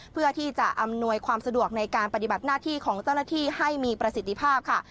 เพื่อที่จะอำนวยความสะดวกในการปฏิบัติหน้าที่ของเจ้าหน้าที่ให้มีประสิทธิภาพค่ะ